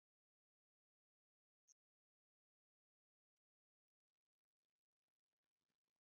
The contract length was later shortened to three years due to administrative requirements.